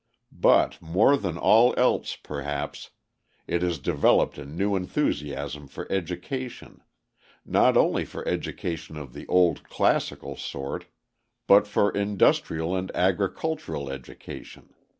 But more than all else, perhaps, it has developed a new enthusiasm for education, not only for education of the old classical sort, but for industrial and agricultural education the training of workers.